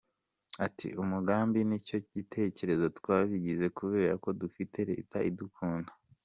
Ati “Umugambi n’icyo gitekerezo twabigize kubera ko dufite leta idukunda.